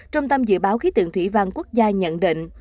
trung tâm dự báo khí tượng thủy văn quốc gia nhận định